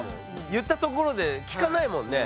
言ったところで聞かないもんね。